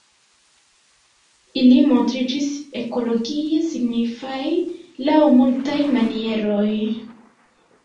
Ili montriĝis ekologie signifaj laŭ multaj manieroj.